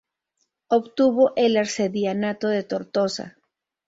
Obtuvo el arcedianato de Tortosa.